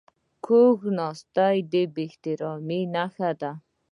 کوږ ناستی د بې احترامي نښه ده